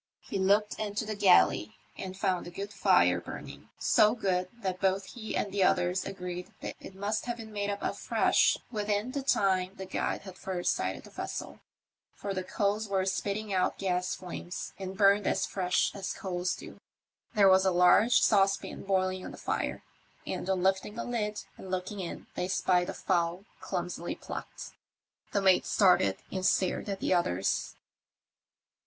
He looked into the galley and found a good fire burning; so good that both he and the others agreed that it must have been made up afresh within the time 8 TEE MYSTERY OF TEE ''OCEAN STAR." the Guide had first sighted the vessel, for the coals were spitting out gas flames, and hurned as fresh as coals do. There was a large saucepan boiling on the fire, and on lifting the lid and looking in they spied a fowl clumsily plucked. The mate started and stared at the others.